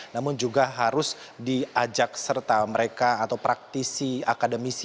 namun juga harus diajak serta mereka atau praktisi akademisi